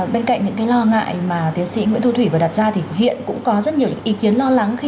bên cạnh những cái lo ngại mà tiến sĩ nguyễn thu thủy vừa đặt ra thì hiện cũng có rất nhiều ý kiến lo lắng khi